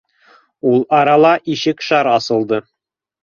Ул арала ишек шар асылды.